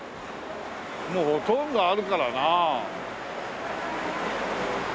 もうほとんどあるからなあ。